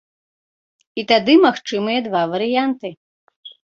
І тады магчымыя два варыянты.